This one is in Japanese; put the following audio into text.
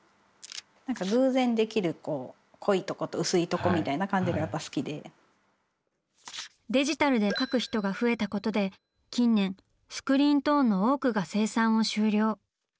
これをまつげに⁉デジタルで描く人が増えたことで近年スクリーントーンの多くが生産を終了。